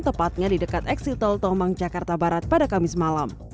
tepatnya di dekat eksil tol tombang jakarta barat pada kamis malam